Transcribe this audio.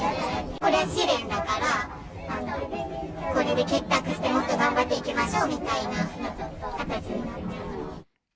これは試練だから、これで結託してもっと頑張っていきましょうみたいな形になっている。